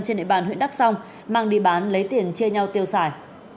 trên địa bàn huyện đắc song mang địa bán lấy tiền chia nhau tiêu xài